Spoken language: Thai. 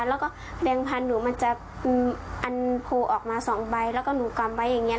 แล้วก็แบงค์พันธุ์หนูมันจะอันโพลออกมา๒ใบแล้วก็หนูกำไว้อย่างนี้